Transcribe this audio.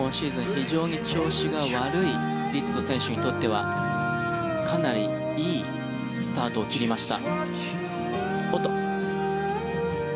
非常に調子が悪いリッツォ選手にとってはかなりいいスタートを切りました。